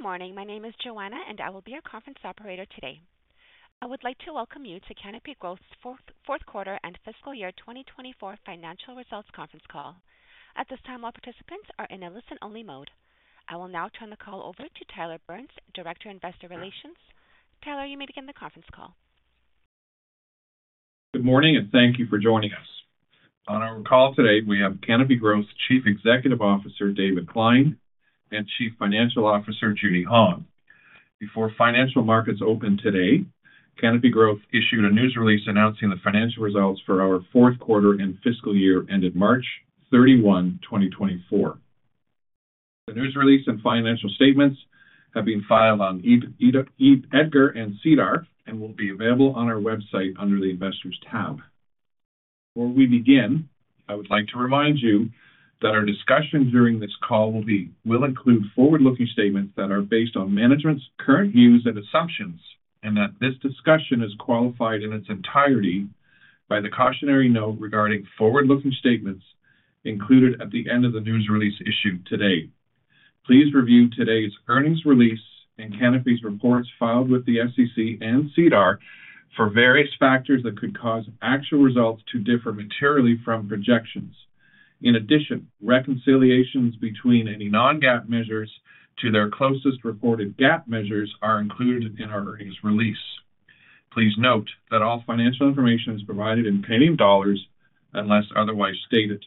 Good morning, my name is Joanna and I will be your conference operator today. I would like to welcome you to Canopy Growth's fourth quarter and fiscal year 2024 financial results conference call. At this time, all participants are in a listen-only mode. I will now turn the call over to Tyler Burns, Director of Investor Relations. Tyler, you may begin the conference call. Good morning and thank you for joining us. On our call today, we have Canopy Growth Chief Executive Officer David Klein and Chief Financial Officer Judy Hong. Before financial markets open today, Canopy Growth issued a news release announcing the financial results for our fourth quarter and fiscal year ended March 31, 2024. The news release and financial statements have been filed on EDGAR and SEDAR and will be available on our website under the Investors tab. Before we begin, I would like to remind you that our discussion during this call will include forward-looking statements that are based on management's current views and assumptions, and that this discussion is qualified in its entirety by the cautionary note regarding forward-looking statements included at the end of the news release issued today. Please review today's earnings release and Canopy's reports filed with the SEC and SEDAR for various factors that could cause actual results to differ materially from projections. In addition, reconciliations between any non-GAAP measures to their closest reported GAAP measures are included in our earnings release. Please note that all financial information is provided in Canadian dollars unless otherwise stated.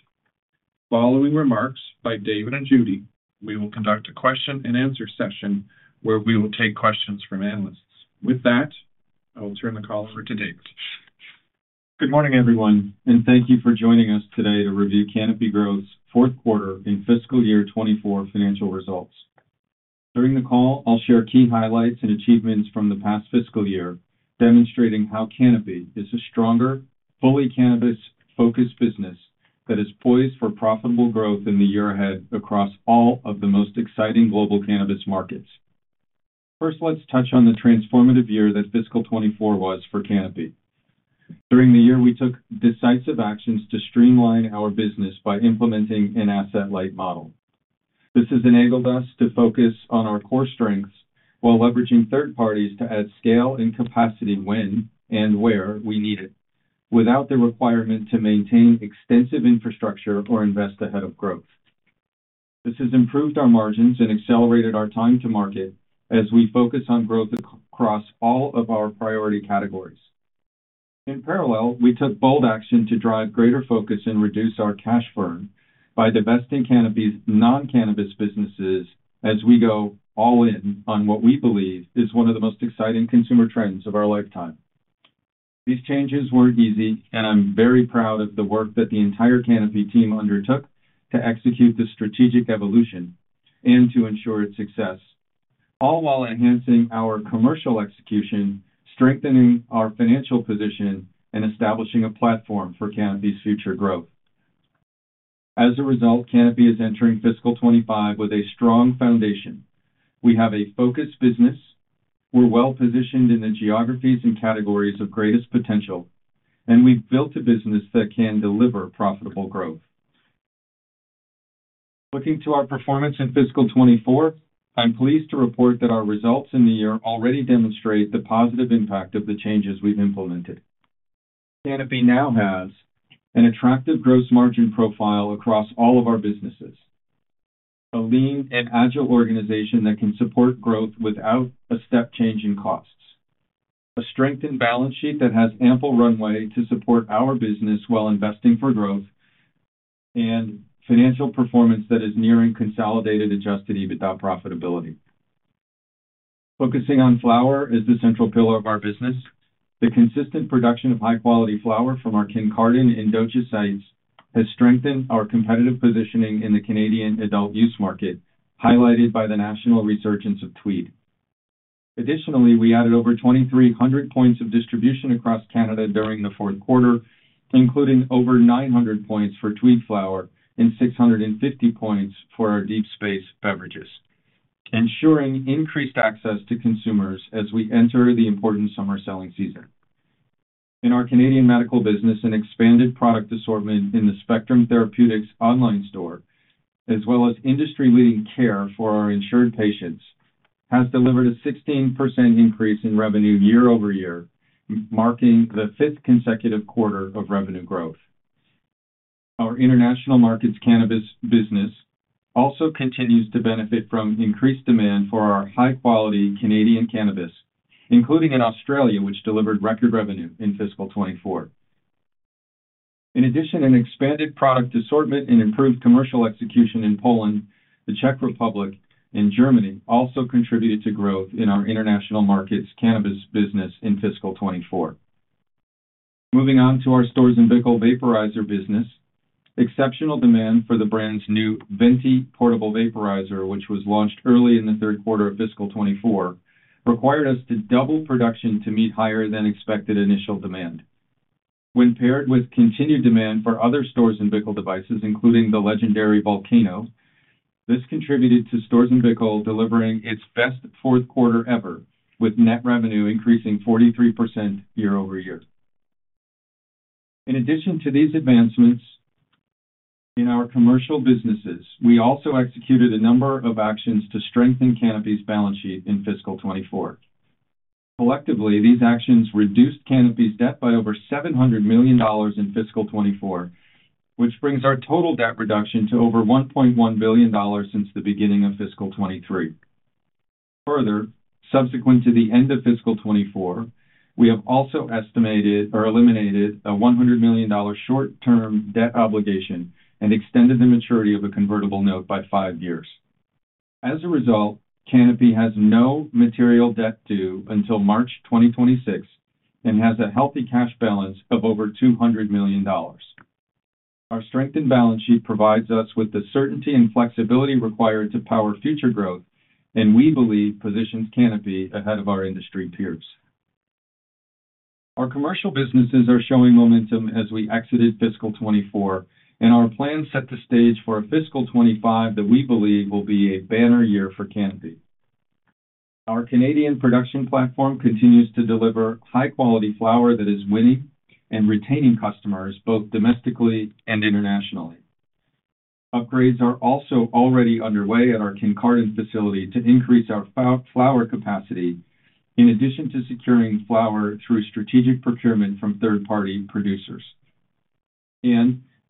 Following remarks by David and Judy, we will conduct a question-and-answer session where we will take questions from analysts. With that, I will turn the call over to David. Good morning, everyone, and thank you for joining us today to review Canopy Growth's fourth quarter and fiscal year 2024 financial results. During the call, I'll share key highlights and achievements from the past fiscal year, demonstrating how Canopy is a stronger, fully cannabis-focused business that is poised for profitable growth in the year ahead across all of the most exciting global cannabis markets. First, let's touch on the transformative year that fiscal 2024 was for Canopy. During the year, we took decisive actions to streamline our business by implementing an asset-light model. This has enabled us to focus on our core strengths while leveraging third parties to add scale and capacity when and where we need it, without the requirement to maintain extensive infrastructure or invest ahead of growth. This has improved our margins and accelerated our time to market as we focus on growth across all of our priority categories. In parallel, we took bold action to drive greater focus and reduce our cash burn by divesting Canopy's non-cannabis businesses as we go all-in on what we believe is one of the most exciting consumer trends of our lifetime. These changes weren't easy, and I'm very proud of the work that the entire Canopy team undertook to execute this strategic evolution and to ensure its success, all while enhancing our commercial execution, strengthening our financial position, and establishing a platform for Canopy's future growth. As a result, Canopy is entering fiscal 2025 with a strong foundation. We have a focused business. We're well-positioned in the geographies and categories of greatest potential, and we've built a business that can deliver profitable growth. Looking to our performance in fiscal 2024, I'm pleased to report that our results in the year already demonstrate the positive impact of the changes we've implemented. Canopy now has an attractive gross margin profile across all of our businesses. A lean and agile organization that can support growth without a step change in costs. A strengthened balance sheet that has ample runway to support our business while investing for growth. And financial performance that is nearing consolidated adjusted EBITDA profitability. Focusing on flower is the central pillar of our business. The consistent production of high-quality flower from our Kincardine and DOJA sites has strengthened our competitive positioning in the Canadian adult-use market, highlighted by the national resurgence of Tweed. Additionally, we added over 2,300 points of distribution across Canada during the fourth quarter, including over 900 points for Tweed flower and 650 points for our Deep Space beverages, ensuring increased access to consumers as we enter the important summer selling season. In our Canadian medical business, an expanded product assortment in the Spectrum Therapeutics online store, as well as industry-leading care for our insured patients, has delivered a 16% increase in revenue year-over-year, marking the fifth consecutive quarter of revenue growth. Our international markets cannabis business also continues to benefit from increased demand for our high-quality Canadian cannabis, including in Australia, which delivered record revenue in fiscal 2024. In addition, an expanded product assortment and improved commercial execution in Poland, the Czech Republic, and Germany also contributed to growth in our international markets cannabis business in fiscal 2024. Moving on to our Storz & Bickel vaporizer business, exceptional demand for the brand's new VENTY portable vaporizer, which was launched early in the third quarter of fiscal 2024, required us to double production to meet higher-than-expected initial demand. When paired with continued demand for other Storz & Bickel devices, including the legendary VOLCANO, this contributed to Storz & Bickel delivering its best fourth quarter ever, with net revenue increasing 43% year-over-year. In addition to these advancements in our commercial businesses, we also executed a number of actions to strengthen Canopy's balance sheet in fiscal 2024. Collectively, these actions reduced Canopy's debt by over 700 million dollars in fiscal 2024, which brings our total debt reduction to over 1.1 billion dollars since the beginning of fiscal 2023. Further, subsequent to the end of fiscal 2024, we have also eliminated a 100 million dollar short-term debt obligation and extended the maturity of a convertible note by five years. As a result, Canopy has no material debt due until March 2026 and has a healthy cash balance of over 200 million dollars. Our strengthened balance sheet provides us with the certainty and flexibility required to power future growth, and we believe positions Canopy ahead of our industry peers. Our commercial businesses are showing momentum as we exited fiscal 2024, and our plans set the stage for a fiscal 2025 that we believe will be a banner year for Canopy. Our Canadian production platform continues to deliver high-quality flower that is winning and retaining customers both domestically and internationally. Upgrades are also already underway at our Kincardine facility to increase our flower capacity, in addition to securing flower through strategic procurement from third-party producers.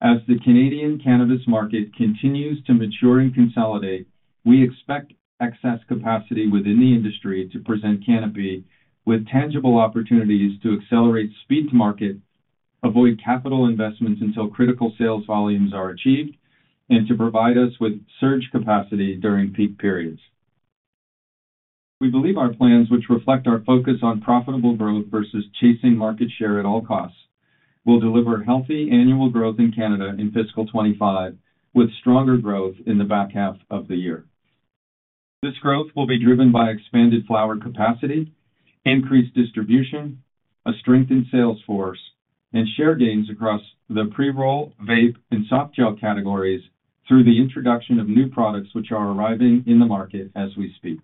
As the Canadian cannabis market continues to mature and consolidate, we expect excess capacity within the industry to present Canopy with tangible opportunities to accelerate speed to market, avoid capital investments until critical sales volumes are achieved, and to provide us with surge capacity during peak periods. We believe our plans, which reflect our focus on profitable growth versus chasing market share at all costs, will deliver healthy annual growth in Canada in fiscal 2025 with stronger growth in the back half of the year. This growth will be driven by expanded flower capacity, increased distribution, a strengthened sales force, and share gains across the pre-roll, vape, and soft gel categories through the introduction of new products which are arriving in the market as we speak.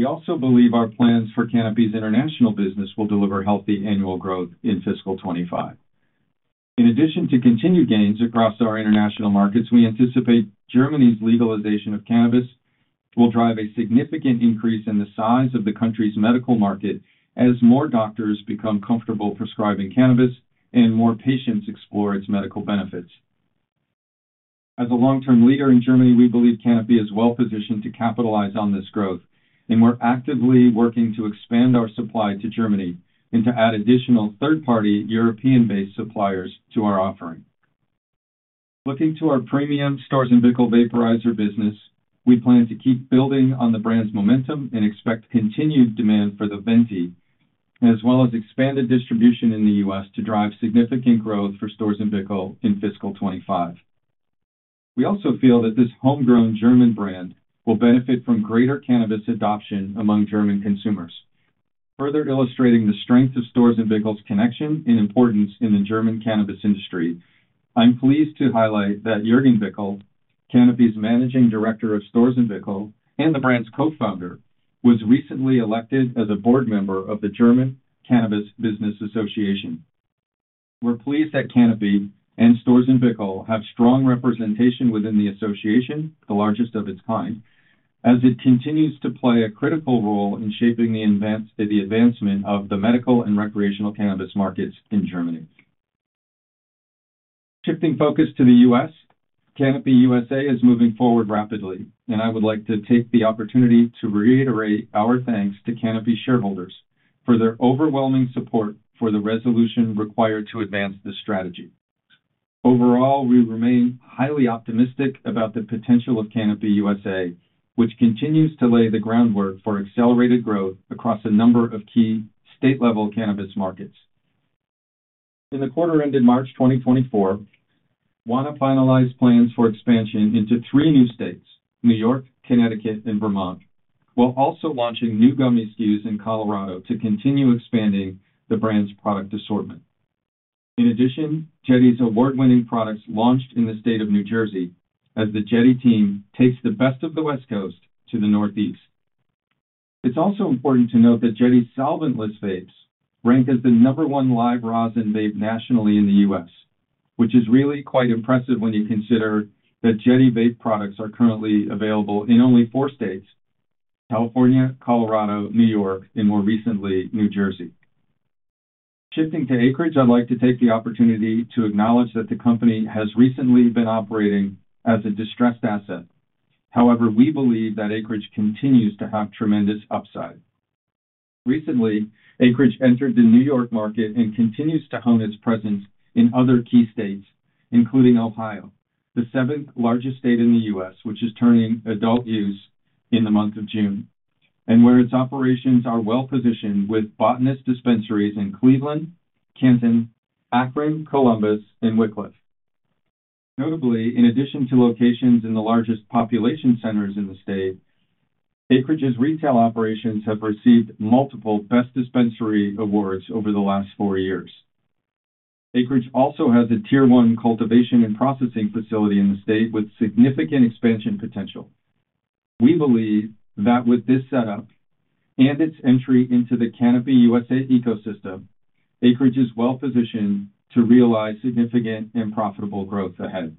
We also believe our plans for Canopy's international business will deliver healthy annual growth in fiscal 2025. In addition to continued gains across our international markets, we anticipate Germany's legalization of cannabis will drive a significant increase in the size of the country's medical market as more doctors become comfortable prescribing cannabis and more patients explore its medical benefits. As a long-term leader in Germany, we believe Canopy is well-positioned to capitalize on this growth, and we're actively working to expand our supply to Germany and to add additional third-party European-based suppliers to our offering. Looking to our premium Storz & Bickel vaporizer business, we plan to keep building on the brand's momentum and expect continued demand for the VENTY, as well as expanded distribution in the U.S. to drive significant growth for Storz & Bickel in fiscal 2025. We also feel that this homegrown German brand will benefit from greater cannabis adoption among German consumers. Further illustrating the strength of Storz & Bickel's connection and importance in the German cannabis industry, I'm pleased to highlight that Jürgen Bickel, Canopy's Managing Director of Storz & Bickel and the brand's co-founder, was recently elected as a board member of the German Cannabis Business Association. We're pleased that Canopy and Storz & Bickel have strong representation within the association, the largest of its kind, as it continues to play a critical role in shaping the advancement of the medical and recreational cannabis markets in Germany. Shifting focus to the U.S., Canopy USA is moving forward rapidly, and I would like to take the opportunity to reiterate our thanks to Canopy shareholders for their overwhelming support for the resolution required to advance this strategy. Overall, we remain highly optimistic about the potential of Canopy USA, which continues to lay the groundwork for accelerated growth across a number of key state-level cannabis markets. In the quarter ended March 2024, Wana finalized plans for expansion into three new states: New York, Connecticut, and Vermont, while also launching new gummy SKUs in Colorado to continue expanding the brand's product assortment. In addition, Jetty's award-winning products launched in the state of New Jersey as the Jetty team takes the best of the West Coast to the Northeast. It's also important to note that Jetty's solventless vapes rank as the number one live rosin vape nationally in the U.S., which is really quite impressive when you consider that Jetty vape products are currently available in only four states: California, Colorado, New York, and more recently, New Jersey. Shifting to Acreage, I'd like to take the opportunity to acknowledge that the company has recently been operating as a distressed asset. However, we believe that Acreage continues to have tremendous upside. Recently, Acreage entered the New York market and continues to hone its presence in other key states, including Ohio, the seventh largest state in the U.S., which is turning adult use in the month of June, and where its operations are well-positioned with Botanist dispensaries in Cleveland, Canton, Akron, Columbus, and Wickliffe. Notably, in addition to locations in the largest population centers in the state, Acreage's retail operations have received multiple Best Dispensary Awards over the last four years. Acreage also has a tier-one cultivation and processing facility in the state with significant expansion potential. We believe that with this setup and its entry into the Canopy USA ecosystem, Acreage is well-positioned to realize significant and profitable growth ahead.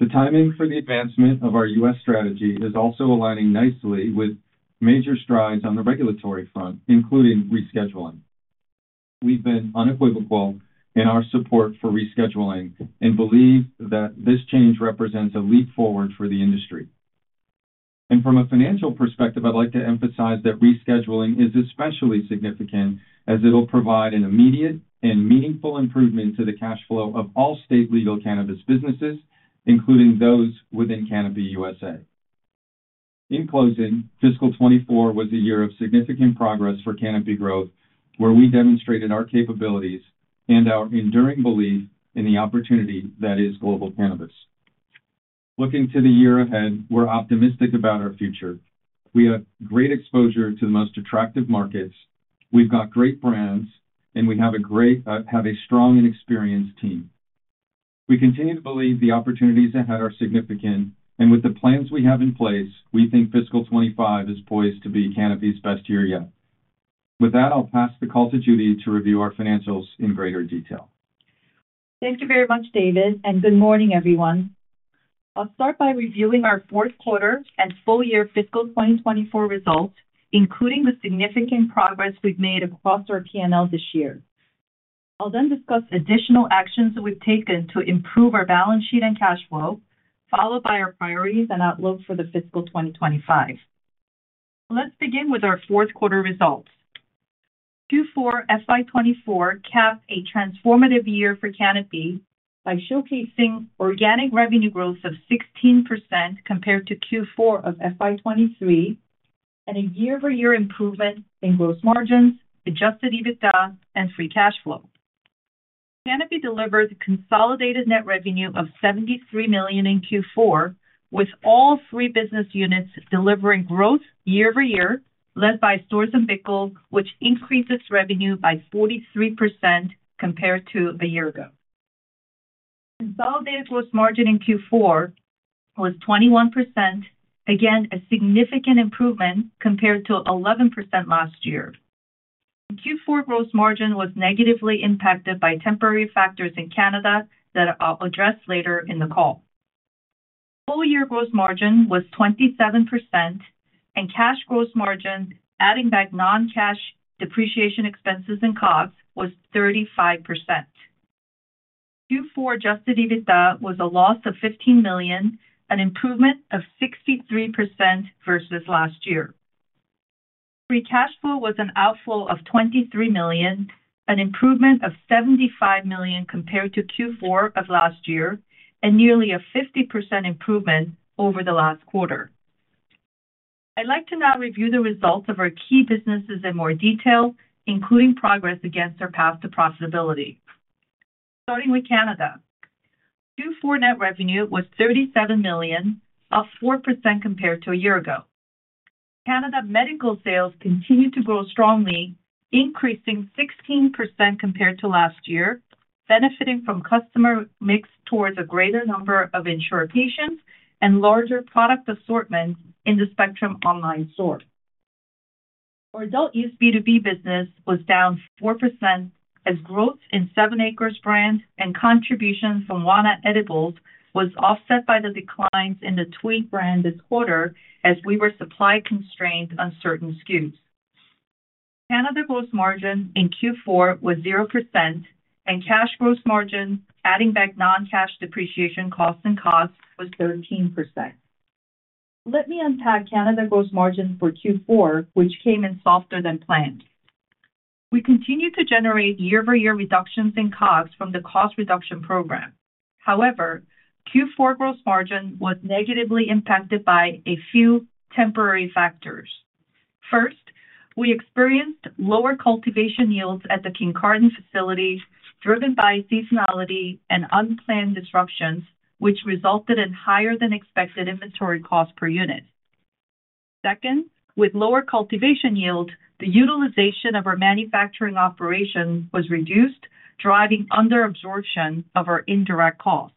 The timing for the advancement of our U.S. strategy is also aligning nicely with major strides on the regulatory front, including rescheduling. We've been unequivocal in our support for rescheduling and believe that this change represents a leap forward for the industry. From a financial perspective, I'd like to emphasize that rescheduling is especially significant as it'll provide an immediate and meaningful improvement to the cash flow of all state legal cannabis businesses, including those within Canopy USA. In closing, fiscal 2024 was a year of significant progress for Canopy Growth, where we demonstrated our capabilities and our enduring belief in the opportunity that is global cannabis. Looking to the year ahead, we're optimistic about our future. We have great exposure to the most attractive markets. We've got great brands, and we have a strong and experienced team. We continue to believe the opportunities ahead are significant, and with the plans we have in place, we think fiscal 2025 is poised to be Canopy's best year yet. With that, I'll pass the call to Judy to review our financials in greater detail. Thank you very much, David, and good morning, everyone. I'll start by reviewing our fourth quarter and full-year fiscal 2024 results, including the significant progress we've made across our P&L this year. I'll then discuss additional actions we've taken to improve our balance sheet and cash flow, followed by our priorities and outlook for the fiscal 2025. Let's begin with our fourth quarter results. Q4 FY 2024 capped a transformative year for Canopy by showcasing organic revenue growth of 16% compared to Q4 of FY 2023 and a year-over-year improvement in gross margins, Adjusted EBITDA, and Free Cash Flow. Canopy delivered consolidated net revenue of 73 million in Q4, with all three business units delivering growth year-over-year, led by Storz & Bickel, which increased revenue by 43% compared to a year ago. Consolidated gross margin in Q4 was 21%, again a significant improvement compared to 11% last year. Q4 gross margin was negatively impacted by temporary factors in Canada that I'll address later in the call. Full-year gross margin was 27%, and cash gross margin, adding back non-cash depreciation expenses and COGS, was 35%. Q4 adjusted EBITDA was a loss of 15 million, an improvement of 63% versus last year. Free Cash Flow was an outflow of 23 million, an improvement of 75 million compared to Q4 of last year, and nearly a 50% improvement over the last quarter. I'd like to now review the results of our key businesses in more detail, including progress against our path to profitability. Starting with Canada, Q4 net revenue was CAD 37 million, up 4% compared to a year ago. Canada medical sales continued to grow strongly, increasing 16% compared to last year, benefiting from customer mix towards a greater number of insured patients and larger product assortment in the Spectrum online store. Our adult-use B2B business was down 4%, as growth in 7ACRES brand and contribution from Wana Edibles was offset by the declines in the Tweed brand this quarter as we were supply-constrained on certain SKUs. Canada gross margin in Q4 was 0%, and cash gross margin, adding back non-cash depreciation costs and COGS, was 13%. Let me unpack Canada gross margin for Q4, which came in softer than planned. We continued to generate year-over-year reductions in COGS from the cost reduction program. However, Q4 gross margin was negatively impacted by a few temporary factors. First, we experienced lower cultivation yields at the Kincardine facility, driven by seasonality and unplanned disruptions, which resulted in higher-than-expected inventory costs per unit. Second, with lower cultivation yield, the utilization of our manufacturing operation was reduced, driving under-absorption of our indirect costs.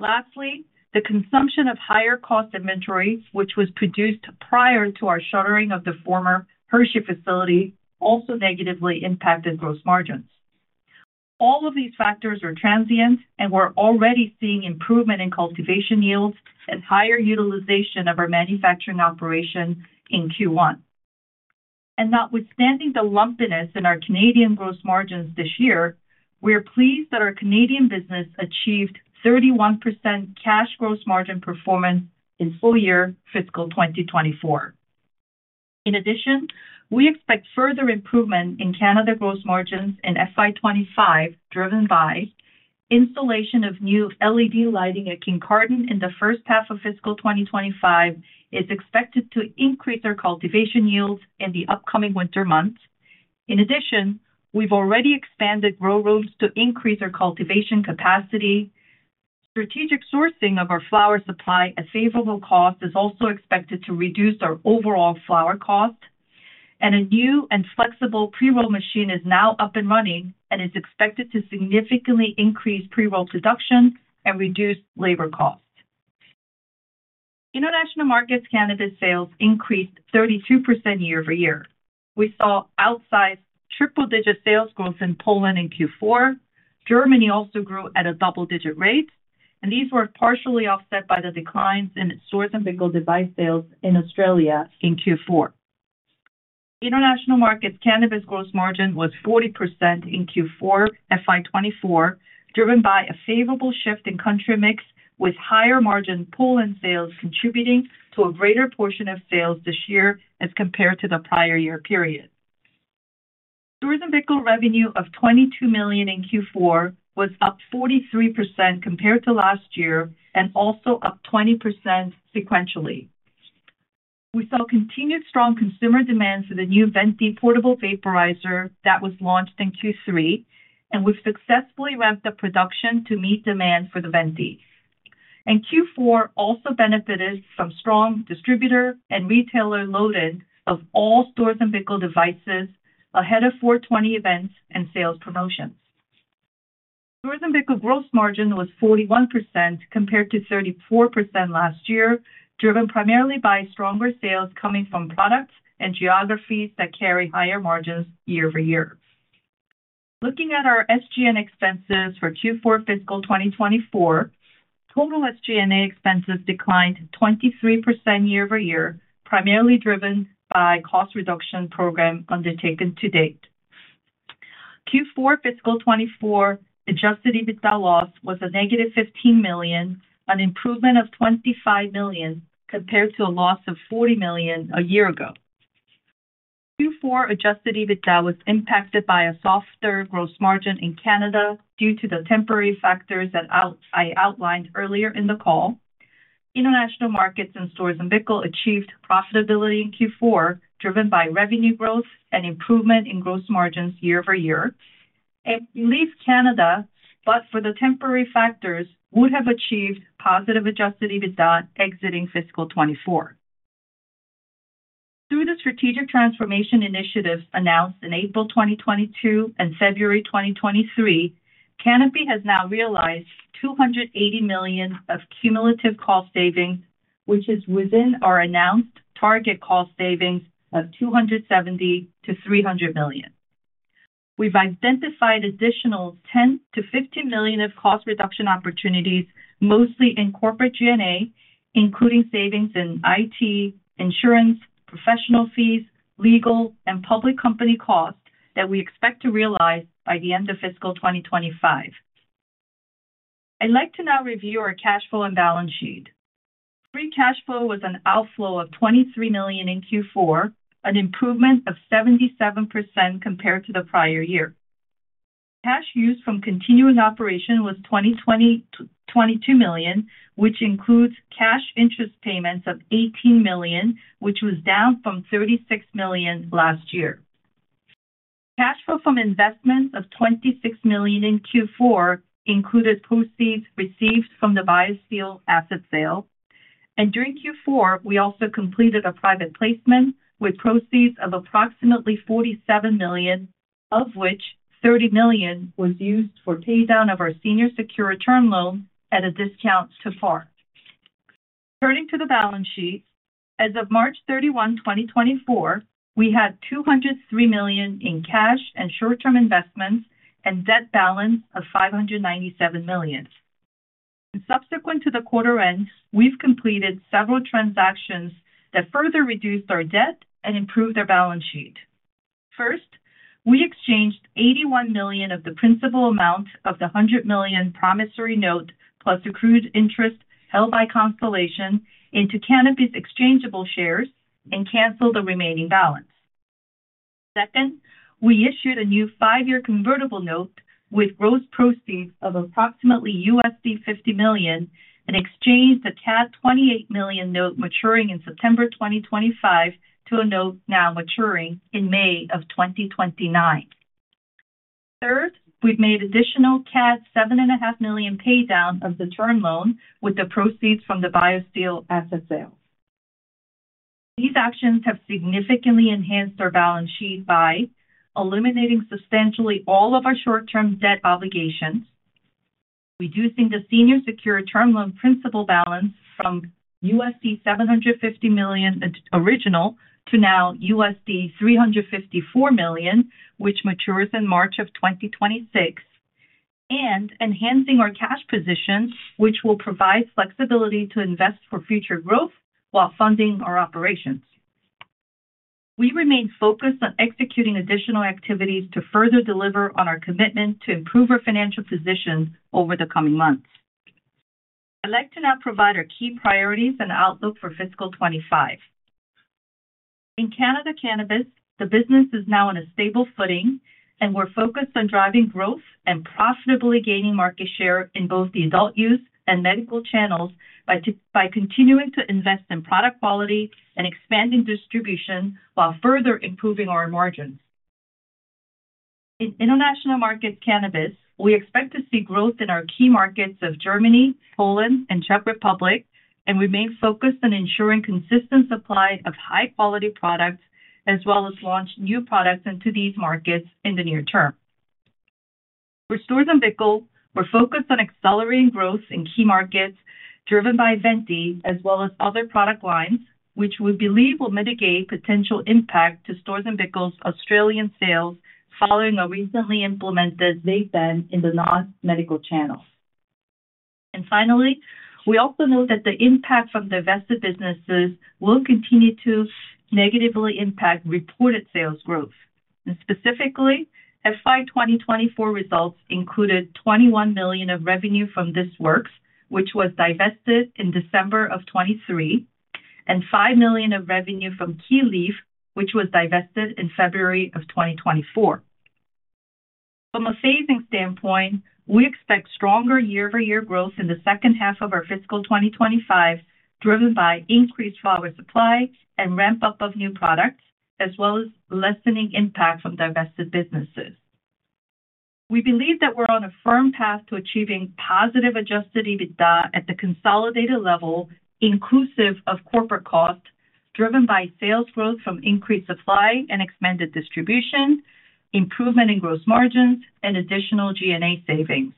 Lastly, the consumption of higher-cost inventory, which was produced prior to our shuttering of the former Hershey facility, also negatively impacted gross margins. All of these factors are transient and we're already seeing improvement in cultivation yields and higher utilization of our manufacturing operation in Q1. And notwithstanding the lumpiness in our Canadian gross margins this year, we're pleased that our Canadian business achieved 31% cash gross margin performance in full-year fiscal 2024. In addition, we expect further improvement in Canada gross margins in FY25, driven by installation of new LED lighting at Kincardine in the first half of fiscal 2025, is expected to increase our cultivation yields in the upcoming winter months. In addition, we've already expanded grow rooms to increase our cultivation capacity. Strategic sourcing of our flower supply at favorable cost is also expected to reduce our overall flower cost. A new and flexible pre-roll machine is now up and running and is expected to significantly increase pre-roll production and reduce labor costs. International markets cannabis sales increased 32% year-over-year. We saw outsized triple-digit sales growth in Poland in Q4. Germany also grew at a double-digit rate, and these were partially offset by the declines in Storz & Bickel device sales in Australia in Q4. International markets cannabis gross margin was 40% in Q4 FY 2024, driven by a favorable shift in country mix with higher-margin Poland sales contributing to a greater portion of sales this year as compared to the prior year period. Storz & Bickel revenue of 22 million in Q4 was up 43% compared to last year and also up 20% sequentially. We saw continued strong consumer demand for the new VENTY portable vaporizer that was launched in Q3, and we've successfully ramped up production to meet demand for the VENTY. Q4 also benefited from strong distributor and retailer loading of all Storz & Bickel devices ahead of 4/20 events and sales promotions. Storz & Bickel gross margin was 41% compared to 34% last year, driven primarily by stronger sales coming from products and geographies that carry higher margins year-over-year. Looking at our SG&A expenses for Q4 fiscal 2024, total SG&A expenses declined 23% year-over-year, primarily driven by cost reduction program undertaken to date. Q4 fiscal 2024 adjusted EBITDA loss was a negative 15 million, an improvement of 25 million compared to a loss of 40 million a year ago. Q4 adjusted EBITDA was impacted by a softer gross margin in Canada due to the temporary factors that I outlined earlier in the call. International markets and Storz & Bickel achieved profitability in Q4, driven by revenue growth and improvement in gross margins year-over-year. We believe Canada, but for the temporary factors, would have achieved positive adjusted EBITDA exiting fiscal 2024. Through the strategic transformation initiatives announced in April 2022 and February 2023, Canopy has now realized 280 million of cumulative cost savings, which is within our announced target cost savings of 270-300 million. We've identified additional 10-15 million of cost reduction opportunities, mostly in corporate SG&A, including savings in IT, insurance, professional fees, legal, and public company costs that we expect to realize by the end of fiscal 2025. I'd like to now review our cash flow and balance sheet. Free cash flow was an outflow of 23 million in Q4, an improvement of 77% compared to the prior year. Cash used from continuing operations was 22 million, which includes cash interest payments of 18 million, which was down from 36 million last year. Cash flow from investments of 26 million in Q4 included proceeds received from the BioSteel asset sale. During Q4, we also completed a private placement with proceeds of approximately 47 million, of which 30 million was used for paydown of our senior secured term loan at a discount to par. Turning to the balance sheet, as of March 31, 2024, we had 203 million in cash and short-term investments and debt balance of 597 million. Subsequent to the quarter end, we've completed several transactions that further reduced our debt and improved our balance sheet. First, we exchanged 81 million of the principal amount of the 100 million promissory note plus accrued interest held by Constellation into Canopy's exchangeable shares and canceled the remaining balance. Second, we issued a new five-year convertible note with gross proceeds of approximately CAD 50 million and exchanged a CAD 28 million note maturing in September 2025 to a note now maturing in May of 2029. Third, we've made additional CAD 7.5 million paydown of the term loan with the proceeds from the BioSteel asset sales. These actions have significantly enhanced our balance sheet by eliminating substantially all of our short-term debt obligations, reducing the senior secured term loan principal balance from $750 million original to now $354 million, which matures in March of 2026, and enhancing our cash position, which will provide flexibility to invest for future growth while funding our operations. We remain focused on executing additional activities to further deliver on our commitment to improve our financial position over the coming months. I'd like to now provide our key priorities and outlook for fiscal 2025. In Canada cannabis, the business is now on a stable footing, and we're focused on driving growth and profitably gaining market share in both the adult use and medical channels by continuing to invest in product quality and expanding distribution while further improving our margins. In international markets cannabis, we expect to see growth in our key markets of Germany, Poland, and Czech Republic, and remain focused on ensuring consistent supply of high-quality products as well as launch new products into these markets in the near term. For Storz & Bickel, we're focused on accelerating growth in key markets driven by VENTY as well as other product lines, which we believe will mitigate potential impact to Storz & Bickel's Australian sales following a recently implemented vape ban in the non-medical channels. Finally, we also know that the impact from divested businesses will continue to negatively impact reported sales growth. And specifically, FY 2024 results included 21 million of revenue from This Works, which was divested in December of 2023, and 5 million of revenue from KeyLeaf, which was divested in February of 2024. From a phasing standpoint, we expect stronger year-over-year growth in the second half of our fiscal 2025 driven by increased flower supply and ramp-up of new products as well as lessening impact from divested businesses. We believe that we're on a firm path to achieving positive adjusted EBITDA at the consolidated level inclusive of corporate cost driven by sales growth from increased supply and expanded distribution, improvement in gross margins, and additional SG&A savings.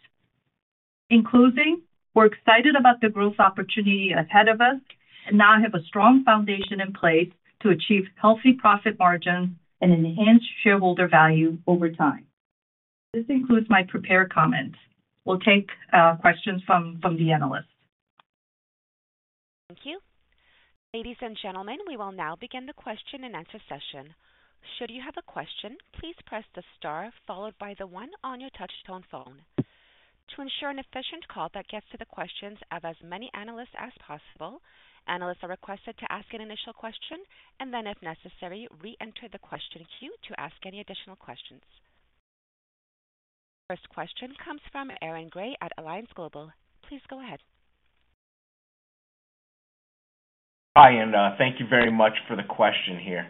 In closing, we're excited about the growth opportunity ahead of us and now have a strong foundation in place to achieve healthy profit margins and enhanced shareholder value over time. This includes my prepared comments. We'll take questions from the analysts. Thank you. Ladies and gentlemen, we will now begin the question and answer session. Should you have a question, please press the star followed by the 1 on your touch-tone phone. To ensure an efficient call that gets to the questions of as many analysts as possible, analysts are requested to ask an initial question and then, if necessary, re-enter the question queue to ask any additional questions. First question comes from Aaron Grey at Alliance Global. Please go ahead. Hi, and thank you very much for the question here.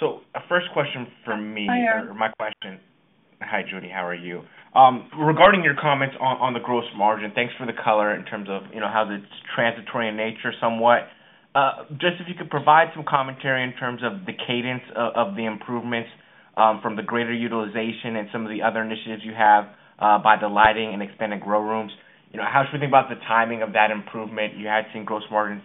So first question for me or my question hi, Judy. How are you? Regarding your comments on the gross margin, thanks for the color in terms of how it's transitory in nature somewhat. Just if you could provide some commentary in terms of the cadence of the improvements from the greater utilization and some of the other initiatives you have by the lighting and expanded grow rooms. How should we think about the timing of that improvement? You had seen gross margins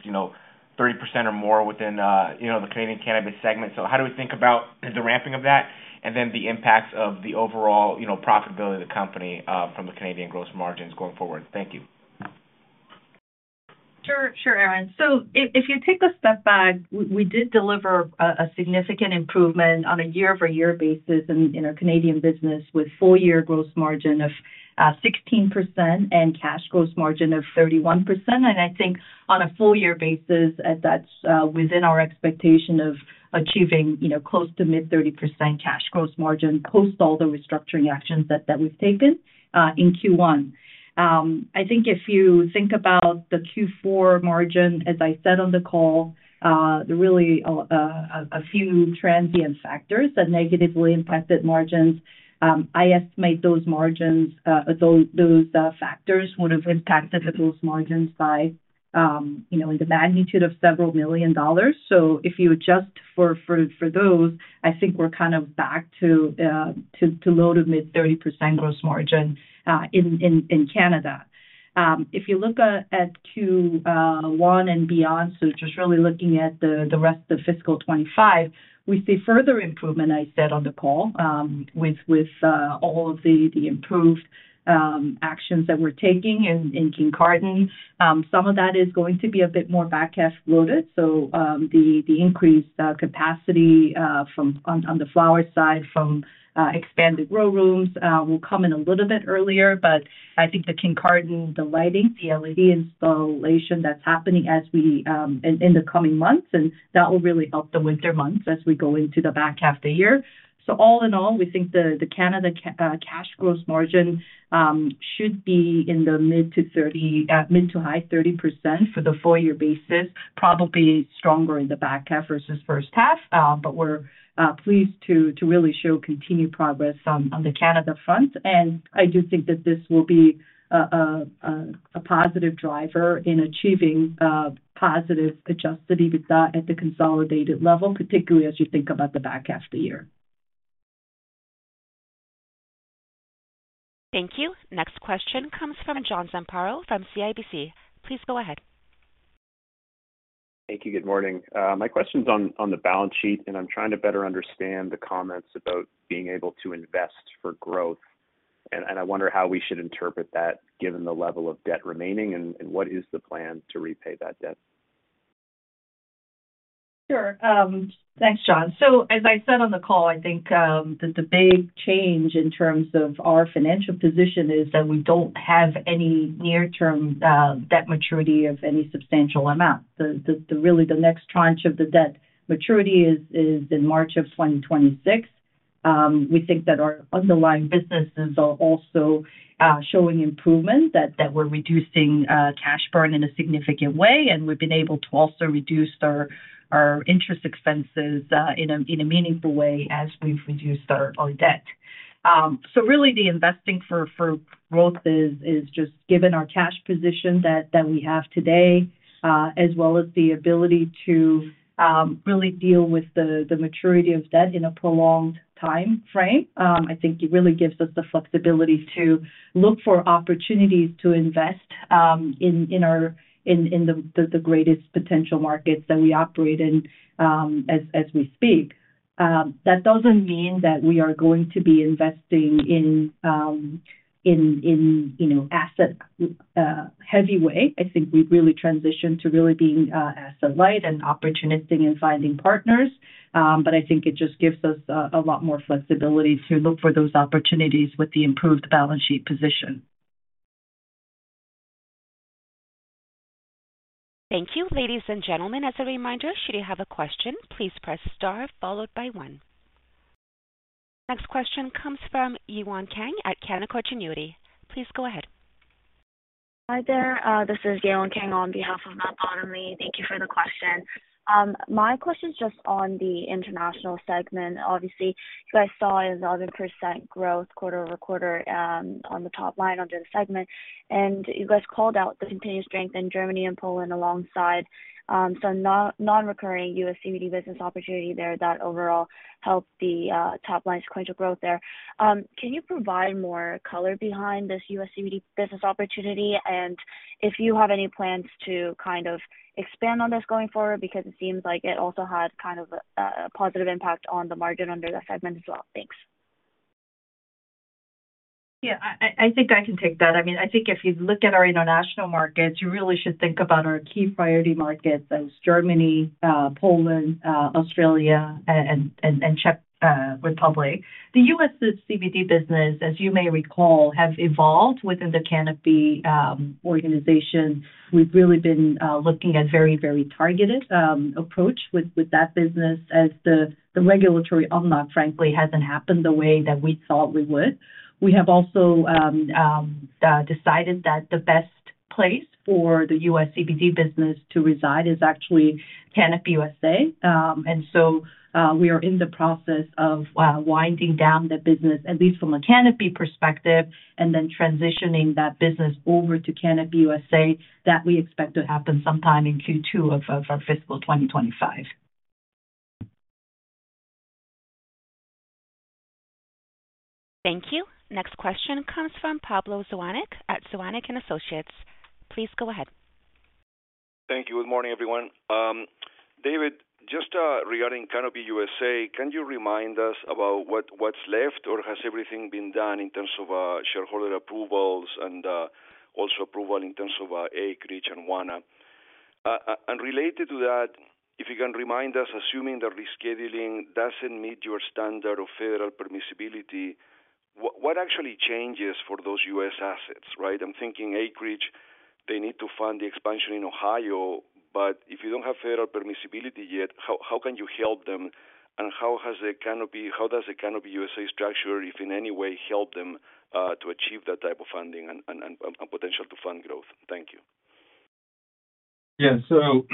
30% or more within the Canadian cannabis segment. So how do we think about the ramping of that and then the impacts of the overall profitability of the company from the Canadian gross margins going forward? Thank you. Sure, Aaron. So if you take a step back, we did deliver a significant improvement on a year-over-year basis in our Canadian business with full-year gross margin of 16% and cash gross margin of 31%. I think on a full-year basis, that's within our expectation of achieving close to mid-30% cash gross margin post all the restructuring actions that we've taken in Q1. I think if you think about the Q4 margin, as I said on the call, really a few transient factors that negatively impacted margins. I estimate those margins, those factors would have impacted the gross margins by in the magnitude of several million dollars. So if you adjust for those, I think we're kind of back to low to mid-30% gross margin in Canada. If you look at Q1 and beyond, so just really looking at the rest of fiscal 2025, we see further improvement, I said on the call, with all of the improved actions that we're taking in Kincardine. Some of that is going to be a bit more back half loaded. So the increased capacity on the flower side from expanded grow rooms will come in a little bit earlier. But I think the Kincardine, the lighting, the LED installation that's happening in the coming months, and that will really help the winter months as we go into the back half of the year. So all in all, we think the Canada cash gross margin should be in the mid- to high 30% for the full-year basis, probably stronger in the back half versus first half. But we're pleased to really show continued progress on the Canada front. And I do think that this will be a positive driver in achieving positive Adjusted EBITDA at the consolidated level, particularly as you think about the back half of the year. Thank you. Next question comes from John Zamparo from CIBC. Please go ahead. Thank you. Good morning. My question's on the balance sheet, and I'm trying to better understand the comments about being able to invest for growth. I wonder how we should interpret that given the level of debt remaining and what is the plan to repay that debt. Sure. Thanks, John. So as I said on the call, I think that the big change in terms of our financial position is that we don't have any near-term debt maturity of any substantial amount. Really, the next tranche of the debt maturity is in March of 2026. We think that our underlying businesses are also showing improvement, that we're reducing cash burn in a significant way, and we've been able to also reduce our interest expenses in a meaningful way as we've reduced our debt. So really, the investing for growth is just given our cash position that we have today as well as the ability to really deal with the maturity of debt in a prolonged time frame. I think it really gives us the flexibility to look for opportunities to invest in the greatest potential markets that we operate in as we speak. That doesn't mean that we are going to be investing in asset-heavy way. I think we've really transitioned to really being asset-light and opportunistic in finding partners. But I think it just gives us a lot more flexibility to look for those opportunities with the improved balance sheet position. Thank you. Ladies and gentlemen, as a reminder, should you have a question, please press star followed by 1. Next question comes from Yewon Kang at Canaccord Genuity. Please go ahead. Hi there. This is Yewon Kang on behalf of Matt Bottomley. Thank you for the question. My question's just on the international segment. Obviously, you guys saw an 11% growth quarter-over-quarter on the top line under the segment. You guys called out the continued strength in Germany and Poland alongside some non-recurring U.S. CBD business opportunity there that overall helped the top line sequential growth there. Can you provide more color behind this U.S. CBD business opportunity and if you have any plans to kind of expand on this going forward because it seems like it also had kind of a positive impact on the margin under that segment as well? Thanks. Yeah. I think I can take that. I mean, I think if you look at our international markets, you really should think about our key priority markets as Germany, Poland, Australia, and Czech Republic. The U.S. CBD business, as you may recall, have evolved within the Canopy organization. We've really been looking at a very, very targeted approach with that business as the regulatory unlock, frankly, hasn't happened the way that we thought we would. We have also decided that the best place for the U.S. CBD business to reside is actually Canopy USA. And so we are in the process of winding down the business, at least from a Canopy perspective, and then transitioning that business over to Canopy USA that we expect to happen sometime in Q2 of our fiscal 2025. Thank you. Next question comes from Pablo Zuanic at Zuanic & Associates. Please go ahead. Thank you. Good morning, everyone. David, just regarding Canopy USA, can you remind us about what's left or has everything been done in terms of shareholder approvals and also approval in terms of Acreage and Wana? Related to that, if you can remind us, assuming that rescheduling doesn't meet your standard of federal permissibility, what actually changes for those U.S. assets, right? I'm thinking Acreage, they need to fund the expansion in Ohio. But if you don't have federal permissibility yet, how can you help them? And how has the Canopy how does the Canopy USA structure, if in any way, help them to achieve that type of funding and potential to fund growth? Thank you. Yeah. So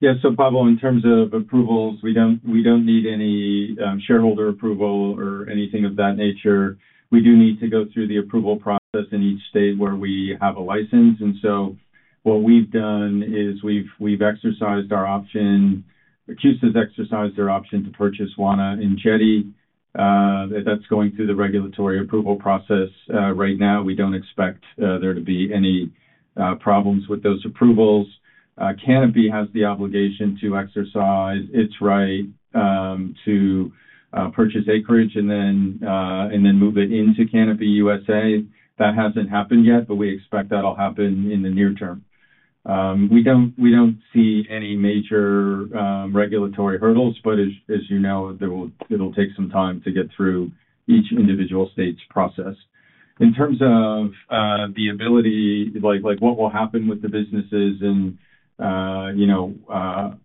yeah. So Pablo, in terms of approvals, we don't need any shareholder approval or anything of that nature. We do need to go through the approval process in each state where we have a license. And so what we've done is we've exercised our option. Canopy USA's exercised their option to purchase Wana and Jetty. That's going through the regulatory approval process right now. We don't expect there to be any problems with those approvals. Canopy has the obligation to exercise its right to purchase Acreage and then move it into Canopy USA. That hasn't happened yet, but we expect that'll happen in the near term. We don't see any major regulatory hurdles, but as you know, it'll take some time to get through each individual state's process. In terms of the ability, what will happen with the businesses and how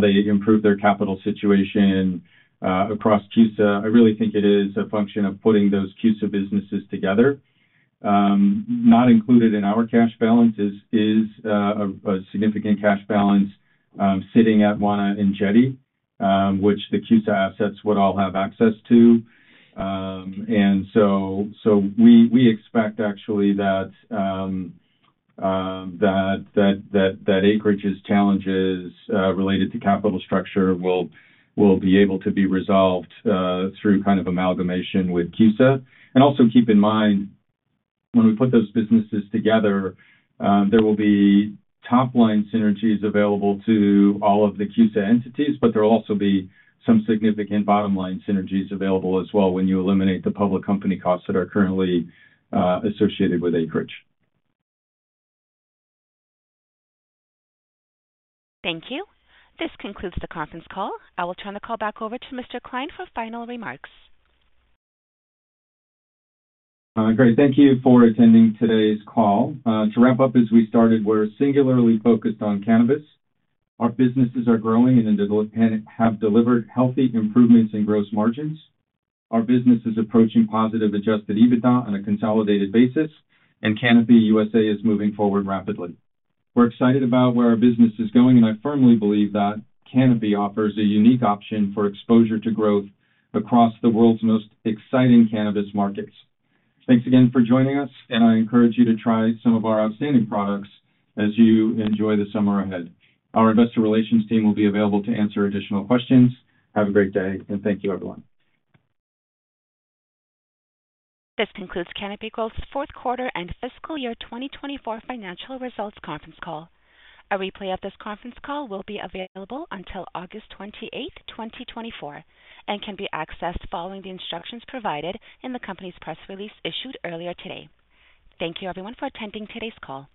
they improve their capital situation across CUSA, I really think it is a function of putting those CUSA businesses together. Not included in our cash balance is a significant cash balance sitting at Wana and Jetty, which the CUSA assets would all have access to. And so we expect actually that Acreage's challenges related to capital structure will be able to be resolved through kind of amalgamation with CUSA. Also keep in mind, when we put those businesses together, there will be top-line synergies available to all of the CUSA entities, but there'll also be some significant bottom-line synergies available as well when you eliminate the public company costs that are currently associated with Acreage. Thank you. This concludes the conference call. I will turn the call back over to Mr. Klein for final remarks. Great. Thank you for attending today's call. To wrap up, as we started, we're singularly focused on cannabis. Our businesses are growing and have delivered healthy improvements in gross margins. Our business is approaching positive adjusted EBITDA on a consolidated basis, and Canopy USA is moving forward rapidly. We're excited about where our business is going, and I firmly believe that Canopy offers a unique option for exposure to growth across the world's most exciting cannabis markets. Thanks again for joining us, and I encourage you to try some of our outstanding products as you enjoy the summer ahead. Our investor relations team will be available to answer additional questions. Have a great day, and thank you, everyone. This concludes Canopy Growth's fourth quarter and fiscal year 2024 financial results conference call. A replay of this conference call will be available until August 28th, 2024, and can be accessed following the instructions provided in the company's press release issued earlier today. Thank you, everyone, for attending today's call.